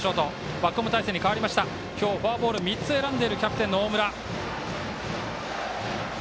今日フォアボール３つ選んでいるキャプテンの大村。